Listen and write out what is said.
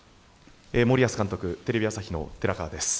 森保監督、テレビ朝日の寺川です。